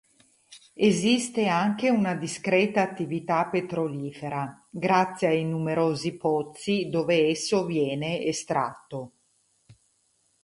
Esiste anche una discreta attività petrolifera, grazie ai numerosi pozzi dove esso viene estratto.